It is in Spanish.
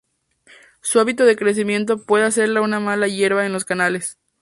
Su hábito de crecimiento puede hacerla una mala hierba en los canales.